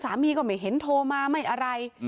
ก็ไม่เห็นโทรมาไม่อะไร